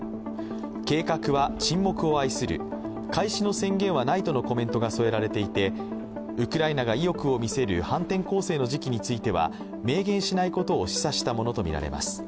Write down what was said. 計画は沈黙を愛する、開始の宣言はないとのコメントが添えられていてウクライナが意欲を見せる反転攻勢の時期については明言しないことを示唆したものとみられます。